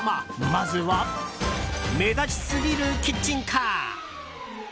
まずは目立ちすぎるキッチンカー。